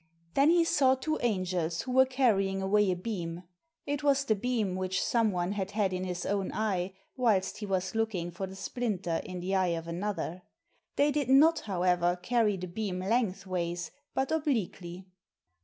Then he saw two angels who were carrying away a beam. It was the beam which some one had had in his own eye whilst he was looking for the splinter in the eye of another. They did not, however, carry the beam lengthways, but obliquely.